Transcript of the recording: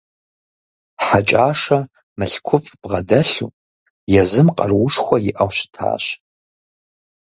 Хьэкӏашэ мылъкуфӏ бгъэдэлъу, езым къаруушхуэ иӏэу щытащ.